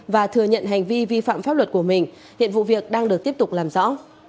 và thừa nhận hành vi vi phạm pháp luật của mình hiện vụ việc đang được tiếp tục làm rõ